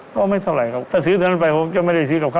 ก็ไม่เท่าไรครับ